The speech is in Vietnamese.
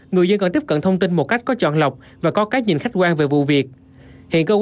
người dân còn tiếp cận thông tin một cách có chọn lọc và có cách nhìn khách quan về vụ việc